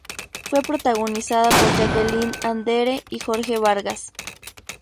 Fue protagonizada por Jacqueline Andere y Jorge Vargas.